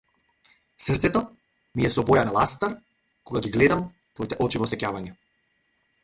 Срцето ми е со боја на ластар, кога ги гледам твоите очи во сеќавање.